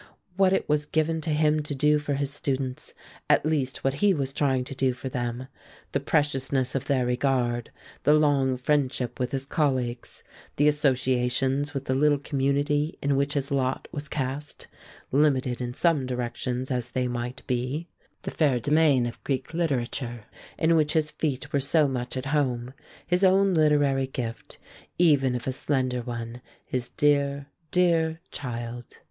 What it was given him to do for his students, at least what he was trying to do for them; the preciousness of their regard; the long friendship with his colleagues; the associations with the little community in which his lot was cast, limited in some directions as they might be; the fair demesne of Greek literature in which his feet were so much at home; his own literary gift, even if a slender one; his dear, dear child.